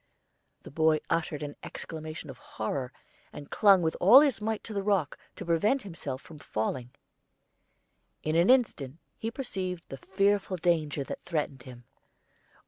The boy uttered an exclamation of horror, and clung with all his might to the rock to prevent himself from falling. In an instant he perceived the fearful danger that threatened him.